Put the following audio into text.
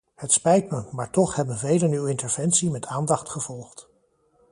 Het spijt me, maar toch hebben velen uw interventie met aandacht gevolgd.